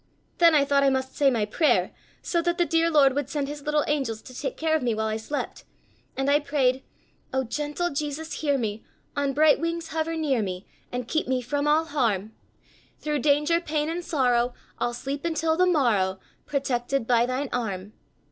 Then I thought I must say my prayer, so that the dear Lord would send his little angels to take care of me while I slept, and I prayed: "Oh, gentle Jesus, hear me! On bright wings hover near me, And keep me from all harm! Thru danger, pain and sorrow I'll sleep until the morrow, Protected by thine arm.